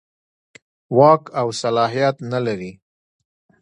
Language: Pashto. واک او صلاحیت نه لري.